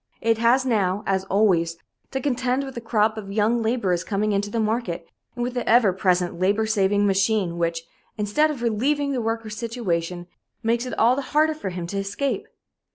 It has now, as always, to contend with the crop of young laborers coming into the market, and with the ever present "labor saving" machine which, instead of relieving the worker's situation, makes it all the harder for him to escape.